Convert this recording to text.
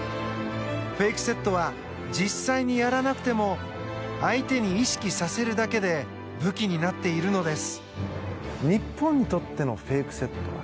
フェイクセットは実際にやらなくても相手に意識させるだけで武器になっているのです。